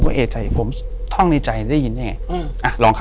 อยู่ที่แม่ศรีวิรัยิลครับ